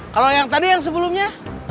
kalau yang tadi yang sebelumnya